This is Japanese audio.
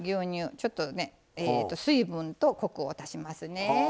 ちょっとね水分とコクを足しますね。